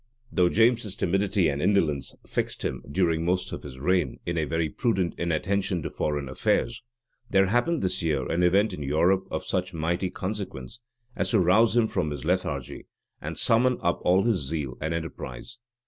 } Though James's timidity and indolence fixed him, during most of his reign, in a very prudent inattention to foreign affairs, there happened this year an event in Europe of such mighty consequence as to rouse him from his lethargy, and summon up all his zeal and enterprise.